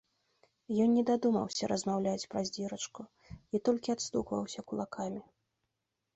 Ён не дадумаўся размаўляць праз дзірачку, і толькі адстукваўся кулакамі.